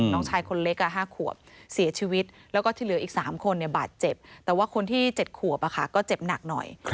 น้องชายคนเล็ก๕ขวบเสียชีวิตแล้วก็ที่เหลืออีก๓คนบาดเจ็บแต่ว่าคนที่๗ขวบก็เจ็บหนักหน่อย